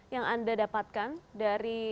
yang anda dapatkan dari